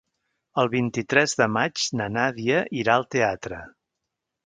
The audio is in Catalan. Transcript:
El vint-i-tres de maig na Nàdia irà al teatre.